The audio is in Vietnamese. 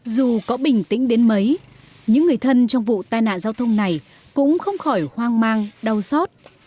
dù có bình tĩnh đến mấy những người thân trong vụ tai nạn giao thông này cũng không khỏi hoang mang đau xót